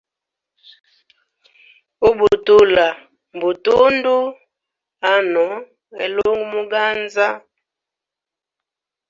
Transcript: Ubutula mbutundu ano elungu muganza.